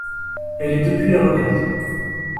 Elle est depuis avocate.